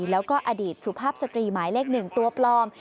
แล้วก็อดีตสุภาพสตรีหมายเลข๑ตัวปลอม